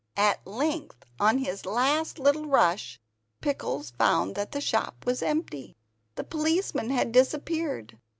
At length on his last little rush Pickles found that the shop was empty. The policeman had disappeared.